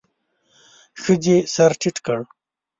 ښځې سر ټيت کړ.